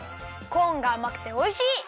コーンがあまくておいしい！